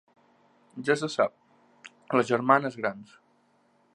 Ja se sap, les germanes grans!